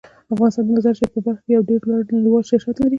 افغانستان د مزارشریف په برخه کې یو ډیر لوړ نړیوال شهرت لري.